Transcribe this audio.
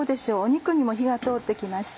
肉にも火が通ってきました。